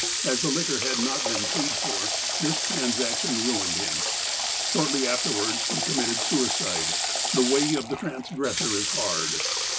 As the liquor had not been paid for, this transaction ruined him. Shortly afterwards, he committed suicide. The way of the transgressor is hard